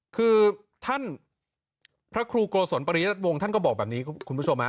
คือท่านพระครูโกศลปริยัติวงศ์ท่านก็บอกแบบนี้คุณผู้ชมฮะ